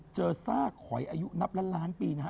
เจอซากหอยอายุนับละล้านปีนะฮะ